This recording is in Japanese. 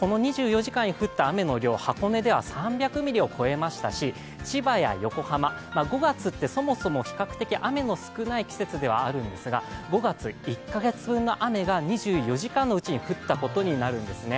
この２４時間に降った雨の量、箱根では３００ミリを超えましたし千葉や横浜、５月ってそもそも雨の少ない季節ではあるんですが、５月１か月分の雨が２４時間のうちに降ったことになるんですね。